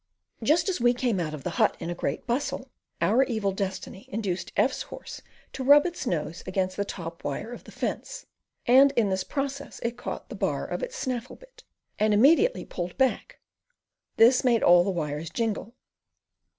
Just as we came out of the hut in a great bustle, our evil destiny induced F 's horse to rub its nose against the top wire of the fence; and in this process it caught the bar of its snaffle bit, and immediately pulled back: this made all the wires jingle.